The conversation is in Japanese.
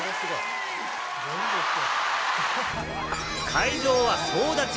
会場は総立ち！